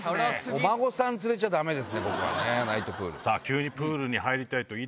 お孫さん連れちゃダメですね。